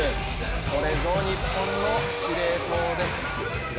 これぞ日本の指令塔です。